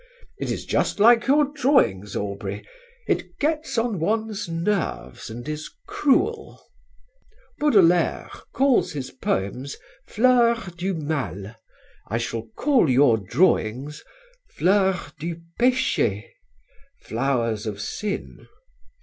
It is just like your drawings, Aubrey; it gets on one's nerves and is cruel. "Baudelaire called his poems Fleurs du Mal, I shall call your drawings Fleurs du Péché flowers of sin.